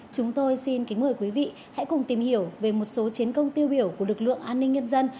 chúng tôi xin kính mời quý vị hãy cùng tìm hiểu về một số chiến công tiêu biểu của lực lượng an ninh nhân dân